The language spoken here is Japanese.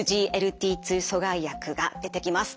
２阻害薬が出てきます。